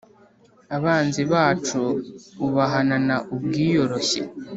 abanzi bacu ubahanana ubwiyoroshye,